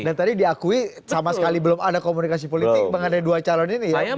dan tadi diakui sama sekali belum ada komunikasi politik mengandai dua calon ini ya mbak ferry